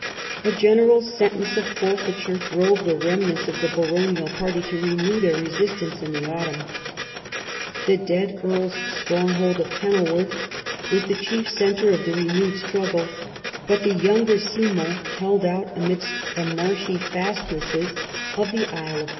A general sentence of forfeiture drove the remnants of the baronial party to renew their resistance in the autumn. The dead Earl's stronghold of Kenilworth was the chief centre of the renewed struggle, but the younger Simon held out amidst the marshy fastnesses of the Isle of 42 EDWARD I cuap.